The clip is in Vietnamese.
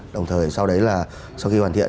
đồng thời sau đấy là sau khi hoàn thiện